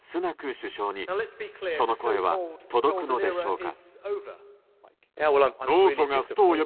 首相にその声は届くのでしょうか。